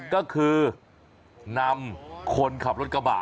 ก็คือนำคนขับรถกระบะ